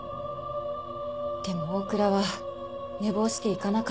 でも大倉は寝坊して行かなかった。